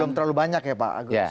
belum terlalu banyak ya pak agus